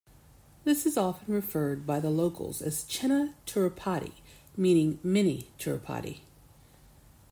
This is often referred by the locals as "Chinna Tirupati", meaning mini Tirupati.